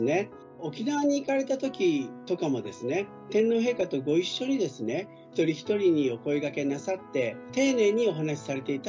沖縄に行かれたときとかも、天皇陛下とご一緒に、一人一人にお声がけなさって、丁寧にお話しされていた。